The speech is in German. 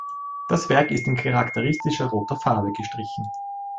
Das Werk ist in charakteristischer roter Farbe gestrichen.